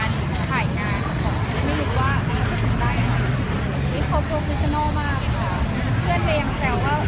หรือข่ายงานไม่รู้ว่าจะดูได้อย่างไร